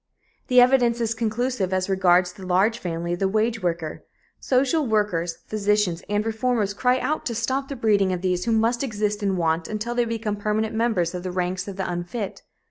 The evidence is conclusive as regards the large family of the wage worker. Social workers, physicians and reformers cry out to stop the breeding of these, who must exist in want until they become permanent members of the ranks of the unfit.